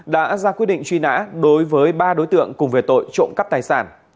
đã ra quyết định truy nã đối với ba đối tượng cùng về tội trộm cắp tài sản